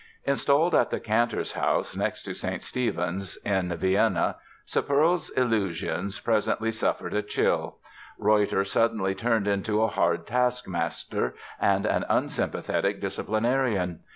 Installed at the Cantor's house, next to St. Stephen's, in Vienna, "Sepperl's" illusions presently suffered a chill. Reutter suddenly turned into a hard taskmaster and an unsympathetic disciplinarian.